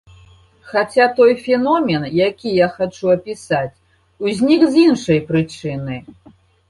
Хаця той феномен, які я хачу апісаць, узнік з іншай прычыны.